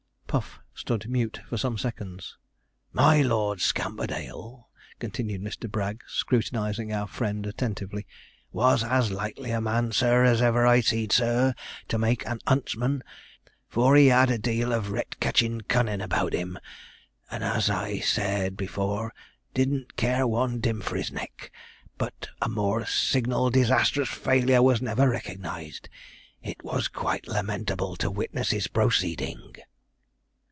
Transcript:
Puff stood mute for some seconds. 'My Lord Scamperdale,' continued Mr. Bragg, scrutinizing our friend attentively, 'was as likely a man, sir, as ever I see'd, sir, to make an 'untsman, for he had a deal of ret (rat) ketchin' cunnin' about him, and, as I said before, didn't care one dim for his neck, but a more signal disastrous failure was never recognized. It was quite lamentable to witness his proceeding.'